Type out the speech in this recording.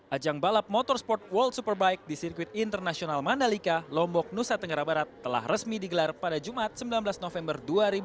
ajang balap motorsport world superbike di sirkuit internasional mandalika lombok nusa tenggara barat telah resmi digelar pada jumat sembilan belas november dua ribu dua puluh